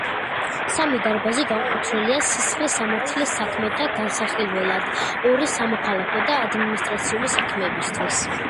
სამი დარბაზი განკუთვნილია სისხლის სამართლის საქმეთა განსახილველად, ორი სამოქალაქო და ადმინისტრაციული საქმეებისათვის.